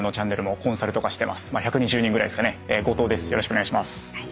よろしくお願いします。